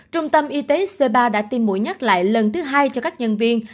trung tâm y tế c ba đã tiêm mũi nhắc lại lần thứ hai cho các nhân viên